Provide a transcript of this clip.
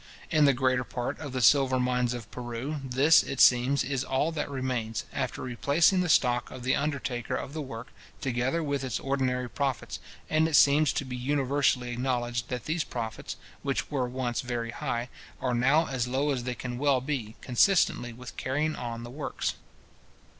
In the greater part of the silver mines of Peru, this, it seems, is all that remains, after replacing the stock of the undertaker of the work, together with its ordinary profits; and it seems to be universally acknowledged that these profits, which were once very high, are now as low as they can well be, consistently with carrying on the works.